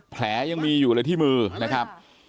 แผลยังมีอยู่เลยที่มือนะครับ